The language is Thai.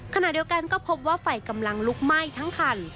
ขณะเดียวกันก็พบว่าไฟกำลังลุกไหม้ทั้งคัน